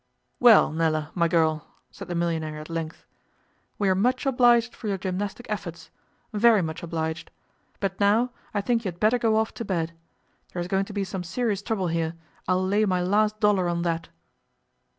'Well, Nell, my girl,' said the millionaire at length, 'we are much obliged for your gymnastic efforts very much obliged. But now, I think you had better go off to bed. There is going to be some serious trouble here, I'll lay my last dollar on that?